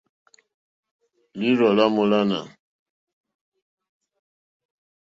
Lǐīrzɔ́ lá mòlânà.